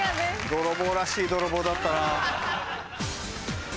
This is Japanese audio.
泥棒らしい泥棒だったな。